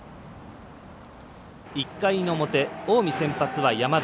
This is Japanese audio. １回の表、近江、先発は山田。